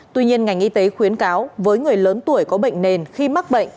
tuy nhiên ngành y tế khuyến cáo với người lớn tuổi có bệnh nền khi mắc bệnh